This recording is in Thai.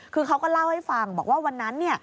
คือเขาก็เล่าให้ฟังบอกว่าวันนั้น